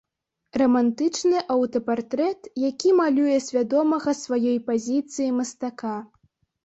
Рамантычны аўтапартрэт, які малюе свядомага сваёй пазіцыі мастака.